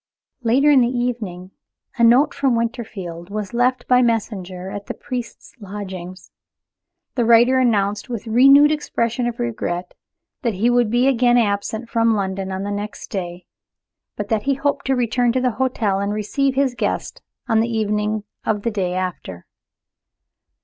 Later in the evening, a note from Winterfield was left by messenger at the priest's lodgings. The writer announced, with renewed expressions of regret, that he would be again absent from London on the next day, but that he hoped to return to the hotel and receive his guest on the evening of the day after.